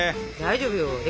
大丈夫よ。